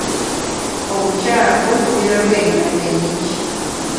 Obukyafu buviirako endwadde nnyingi.